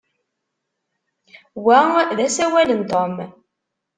Wa d asawal n Tom.